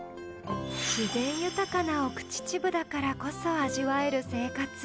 自然豊かな奥秩父だからこそ味わえる生活